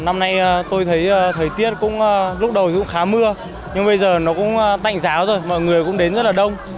năm nay tôi thấy thời tiết cũng lúc đầu cũng khá mưa nhưng bây giờ nó cũng tạnh giáo rồi mọi người cũng đến rất là đông